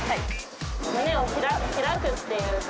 胸を開くっていうか。